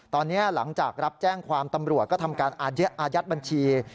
ตอนนี้หลังจากรับแจ้งความตำรวจก็ทำการอายัดบัญชี